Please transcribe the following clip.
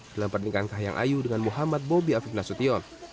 dalam pernikahan kahiyang ayu dengan muhammad bobi afif nasution